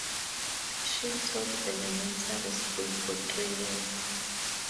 She taught elementary school for three years.